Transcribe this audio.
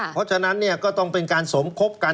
เพราะฉะนั้นเนี่ยก็ต้องเป็นการสมคบกัน